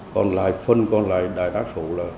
còn lại phần còn lại đa số là